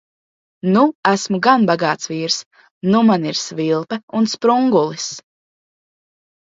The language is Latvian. Nu esmu gan bagāts vīrs. Nu man ir svilpe un sprungulis!